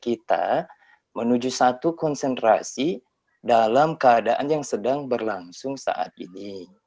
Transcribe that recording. kita menuju satu konsentrasi dalam keadaan yang sedang berlangsung saat ini